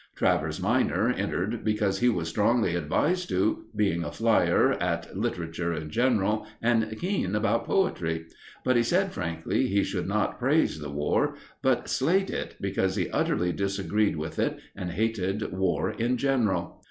Travers minor entered because he was strongly advised to, being a flier at literature in general and keen about poetry; but he said frankly he should not praise the War, but slate it, because he utterly disagreed with it and hated war in general.